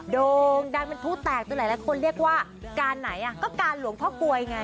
โด่งดังเป็นผู้แตกโดยหลายคนเรียกว่าการไหนก็การหลวงพ่อกลวยไง